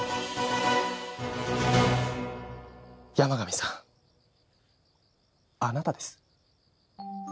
山上さんあなたです。